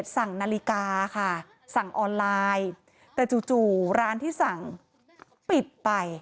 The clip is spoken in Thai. สั่งนาฬิกาค่ะสั่งออนไลน์แต่จู่ร้านที่สั่งปิดไป